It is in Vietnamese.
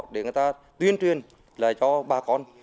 để người ta tuyên truyền cho ba con